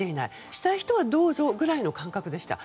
したい人はどうぞくらいの感覚でした。